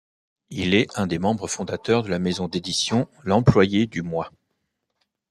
Il est un des membres fondateurs de la maison d'édition L'employé du Moi.